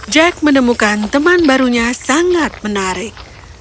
jack menemukan teman barunya sangat menarik